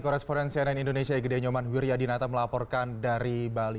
korresponden cnn indonesia egede nyoman huri adinata melaporkan dari bali